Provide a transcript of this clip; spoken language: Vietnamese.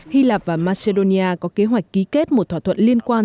hy lạp và macedonia có kế hoạch ký kết một thỏa thuận liên quan